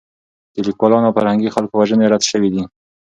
د لیکوالانو او فرهنګي خلکو وژنې رد شوې دي.